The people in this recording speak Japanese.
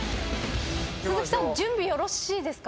鈴木さん準備よろしいですか？